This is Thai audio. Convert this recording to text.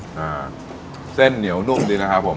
อ่าเส้นเหนียวนุ่มดีนะครับผม